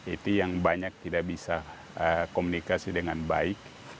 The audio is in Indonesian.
itu yang banyak tidak bisa komunikasi dengan baik